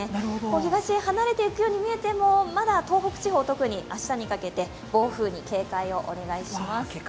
東へ離れていくように見えても、まだ東北地方は特に明日にかけて暴風に警戒をお願いします。